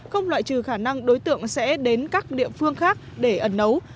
không loại trừ khả năng đối tượng sẽ đến các địa phương khác để ẩn nấu